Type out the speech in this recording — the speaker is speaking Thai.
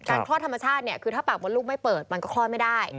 คลอดธรรมชาติเนี่ยคือถ้าปากมดลูกไม่เปิดมันก็คลอดไม่ได้